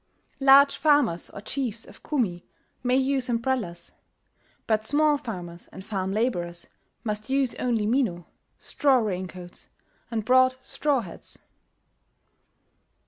"Large farmers or chiefs of Kumi may use umbrellas; but small farmers and farm labourers must use only mino (straw raincoats), and broad straw hats."